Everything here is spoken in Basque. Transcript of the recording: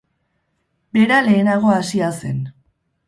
Bera lehenago hasia zen.